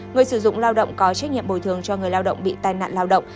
người sử dụng lao động có trách nhiệm bồi thường cho người lao động bị tai nạn lao động